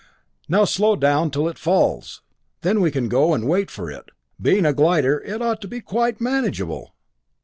"Now slow down till it falls. Then we can go and wait for it. Being a glider, it ought to be quite manageable!"